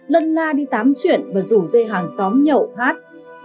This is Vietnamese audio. lân la đi tắm chuyện và rủ dây hàng xóm nhậu hát